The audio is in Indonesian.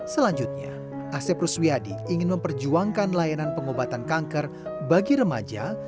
selanjutnya asep ruswiyadi ingin memperjuangkan layanan pengobatan kanker bagi remaja